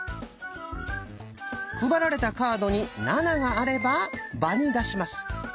配られたカードに「７」があれば場に出します。